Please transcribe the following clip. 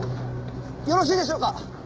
よろしいでしょうか？